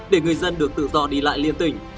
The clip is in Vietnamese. để người dân được tự do đi lại liên tỉnh